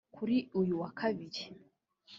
Kuri uyu wa Kabiri